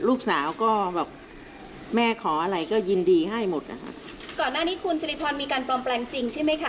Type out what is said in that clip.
ลูกสาวก็แบบแม่ขออะไรก็ยินดีให้หมดนะคะก่อนหน้านี้คุณสิริพรมีการปลอมแปลงจริงใช่ไหมคะ